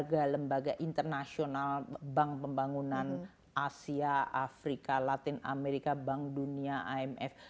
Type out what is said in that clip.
lembaga lembaga internasional bank pembangunan asia afrika latin amerika bank dunia imf